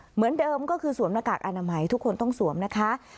เหมือนเดิมก็คือสวมหน้ากากอนามัยทุกคนต้องสวมนะคะ